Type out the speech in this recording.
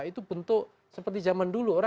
itu bentuk seperti zaman dulu